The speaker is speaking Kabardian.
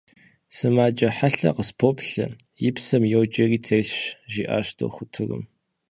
– Сымаджэ хьэлъэ къыспоплъэ: и псэм йоджэри телъщ, - жиӏащ дохутырым.